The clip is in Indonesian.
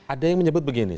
ada yang menyebut begini